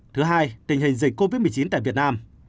thứ hai tình hình dịch covid một mươi chín tại việt nam